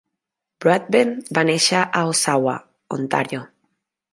Broadbent va néixer a Oshawa, Ontario.